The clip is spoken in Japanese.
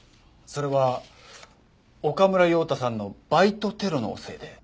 それは岡村陽太さんのバイトテロのせいで？